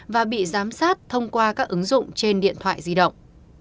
và bị giám sát thông qua các ứng dụng trên điện thoại di động